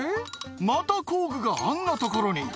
また工具があんなところに」